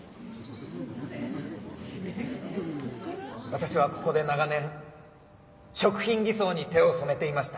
私はここで長年食品偽装に手を染めていました。